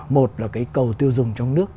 một là cái cầu tiêu dùng trong nước